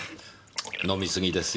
飲みすぎですよ。